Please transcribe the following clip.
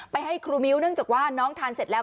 ให้ครูมิ้วเนื่องจากว่าน้องทานเสร็จแล้ว